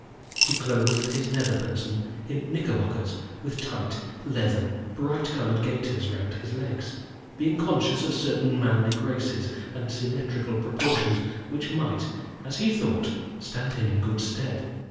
He clothed his nether person in knickerbockers, with tight, leathern, bright coloured gaiters round his legs, being conscious of certain manly graces and symmetrical proportions which might, as he thought, stand him in good stead.